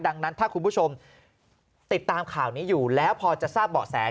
ดังนั้นถ้าคุณผู้ชมติดตามข่าวนี้อยู่แล้วพอจะทราบเบาะแส